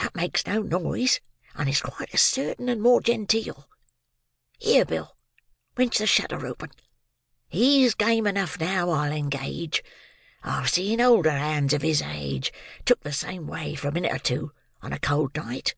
That makes no noise, and is quite as certain, and more genteel. Here, Bill, wrench the shutter open. He's game enough now, I'll engage. I've seen older hands of his age took the same way, for a minute or two, on a cold night."